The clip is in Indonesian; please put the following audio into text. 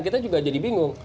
kita juga jadi bingung